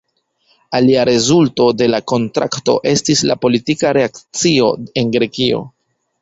Alia rezulto de la kontrakto estis la politika reakcio en Grekio.